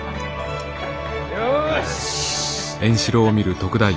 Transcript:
よし！